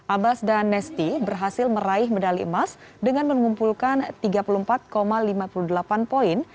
abbas dan nesti berhasil meraih medali emas dengan mengumpulkan tiga puluh empat lima puluh delapan poin